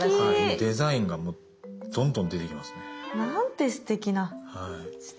デザインがもうどんどん出てきますね。